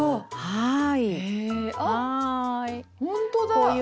はい。